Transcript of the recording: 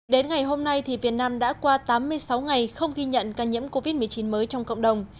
đến ngày hôm nay việt nam đã qua tám mươi sáu ngày không ghi nhận ca nhiễm covid một mươi chín mới trong cộng đồng